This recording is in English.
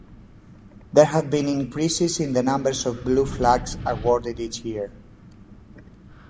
There have been increases in the numbers of Blue Flags awarded each year.